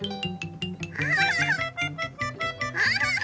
アハハ！